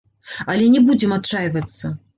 Але не будзем адчайвацца.